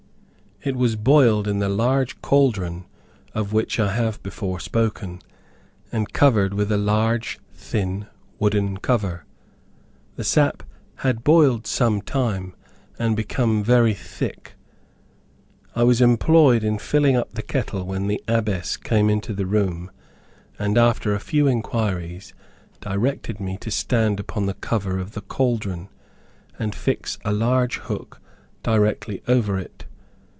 It was boiled in the large caldron of which I have before spoken, and covered with a large, thin, wooden cover. The sap had boiled some time, and become very thick. I was employed in filling up the kettle when the Abbess came into the room, and after a few inquiries, directed me to stand upon the cover of the caldron, and fix a large hook directly over it.